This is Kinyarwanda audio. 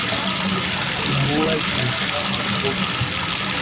Inkuba zesa mu Bihogo,